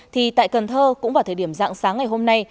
thì tại cần thơ cũng vào thời điểm dạng sáng ngày hôm nay